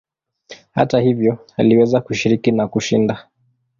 Hata hivyo aliweza kushiriki na kushinda.